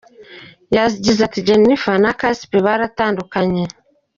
Yagize ati “Jennifer na Casper baratandukanye.